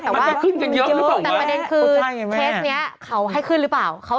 มันต้องขึ้นกันเยอะหรือเปล่า